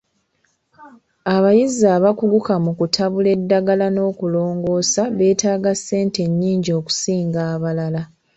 Abayizi abakuguka mu kutabula eddagala n'okulongoosa beetaaga ssente nnyingi okusinga abalala.